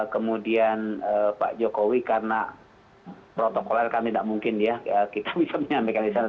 kemudian pak jokowi karena protokol kan tidak mungkin ya kita bisa menyampaikan disana